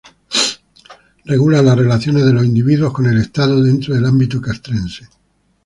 Regula las relaciones de los individuos con el Estado dentro del ámbito castrense.